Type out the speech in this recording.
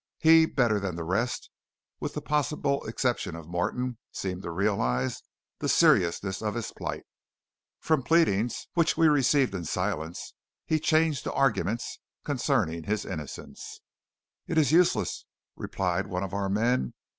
He, better than the rest, with the possible exception of Morton, seemed to realize the seriousness of his plight. From pleadings, which we received in silence, he changed to arguments concerning his innocence. "It is useless," replied one of our men.